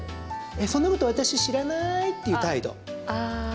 そんなこと私知らないっていう態度。